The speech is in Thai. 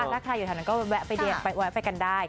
ถ้าใครอยู่ทางนั้นก็แวะไปเดี๋ยวแวะไปกันได้